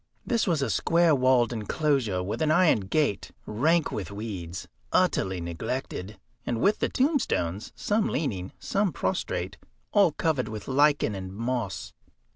This was a square walled enclosure with an iron gate, rank with weeds, utterly neglected, and with the tombstones, some leaning, some prostrate, all covered with lichen and moss.